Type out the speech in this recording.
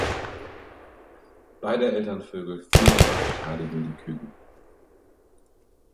Beide Elternvögel führen und verteidigen die Küken.